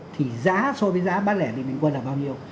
thì giá so với giá bán lẻ điện bình quân là bao nhiêu